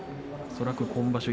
恐らく今場所